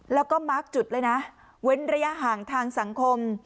แล้วก็มาร์คจุดเลยนะเว้นระยะห่างทางสังคม